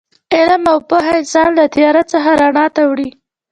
علم او پوهه انسان له تیاره څخه رڼا ته وړي.